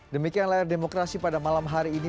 demikian layar demokrasi pada malam hari ini